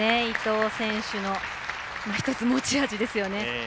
伊藤選手の１つ持ち味ですよね。